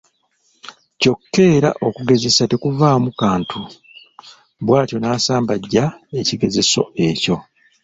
Kyokka era okugezesa tekuvaamu kantu bw’atyo n’asambajja ekigezeso ekyo.